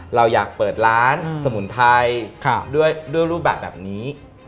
เราอยากเปิดร้านสมุนไพรด้วยรูปแบบแบบนี้